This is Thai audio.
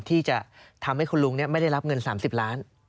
ที่จะทำให้คุณลุงไม่ได้รับเงิน๓๐ล้าน